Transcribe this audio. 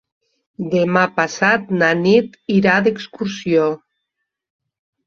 Demà passat na Nit irà d'excursió.